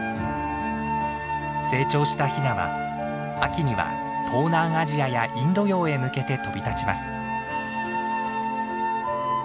成長したヒナは秋には東南アジアやインド洋へ向けて飛び立ちます。